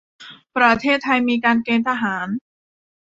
ประเทศไทยมีการเกณฑ์ทหาร